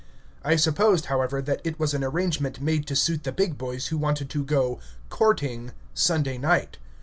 I supposed, however, that it was an arrangement made to suit the big boys who wanted to go "courting" Sunday night.